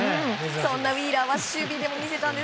そんなウィーラーは守備でも見せたんです。